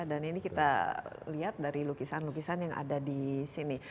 dan ini kita lihat dari lukisan lukisan yang ada di sini